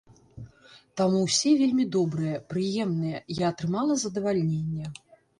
Таму ўсе вельмі добрыя, прыемныя, я атрымала задавальненне.